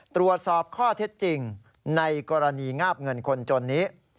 ตรวจสอบข้อเท็จจริงในกรณีงาบเงินคนจนนี้